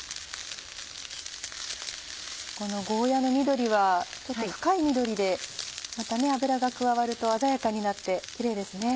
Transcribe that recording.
このゴーヤの緑はちょっと深い緑でまた油が加わると鮮やかになってキレイですね。